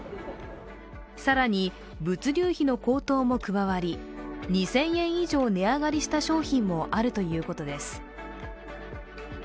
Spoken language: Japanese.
更に物流費の高騰も加わり２０００円以上値上がりした商品もあるということです。